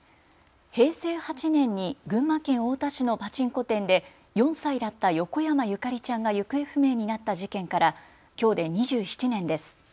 平成８年に群馬県太田市のパチンコ店で４歳だった横山ゆかりちゃんが行方不明になった事件からきょうで２７年です。